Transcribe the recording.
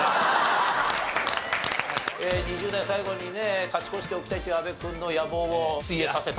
２０代最後にね勝ち越しておきたいという阿部君の野望を潰えさせた。